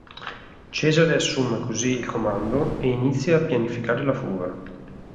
Cesare assume così il comando e inizia a pianificare la fuga.